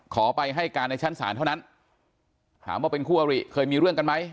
ไปให้การในชั้นศาลเท่านั้นถามว่าเป็นคู่อริเคยมีเรื่องกันไหม